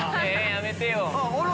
やめてよ。